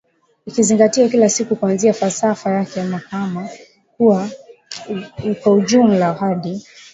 ikizingatia kila kitu kuanzia falsafa yake ya mahakama kwa ujumla hadi